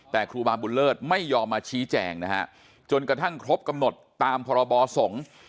แต่ครูบาบุญเลิศไม่ยอมมาชี้แจงนะฮะจนกระทั่งครบกำหนดตามพรบสงฆ์